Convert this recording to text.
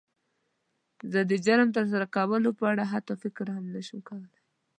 زه د جرم د تر سره کولو په اړه حتی فکر نه شم کولی.